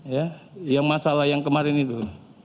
ya yang masalah yang kemarin itu